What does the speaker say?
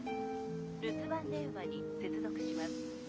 留守番電話に接続します。